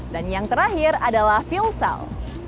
dan yang terakhir adalah fuel cell